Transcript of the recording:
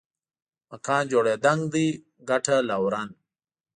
مکان جوړېدنک دې ګټه لورن